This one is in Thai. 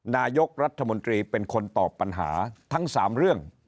นายกรัฐมนตรีเป็นคนตอบปัญหาทั้ง๓เรื่อง